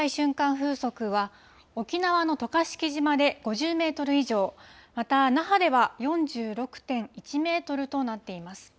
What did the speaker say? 風速は沖縄の渡嘉敷島で５０メートル以上、また那覇では４６．１メートルとなっています。